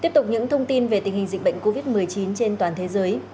tiếp tục những thông tin về tình hình dịch bệnh covid một mươi chín trên toàn thế giới